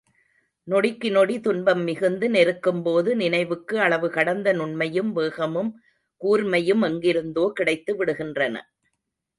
நொடிக்கு நொடி துன்பம் மிகுந்து நெருக்கும்போது, நினைவுக்கு அளவு கடந்த நுண்மையும் வேகமும் கூர்மையும் எங்கிருந்தோ கிடைத்து விடுகின்றன.